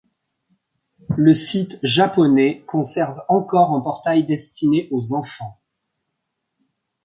Le site japonais conserve encore un portail destinée aux enfants.